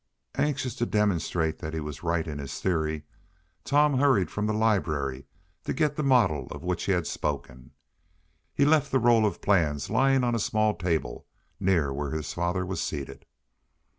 Anxious to demonstrate that he was right in his theory, Tom hurried from the library to get the model of which he had spoken. He left the roll of plans lying on a small table near where his father was seated.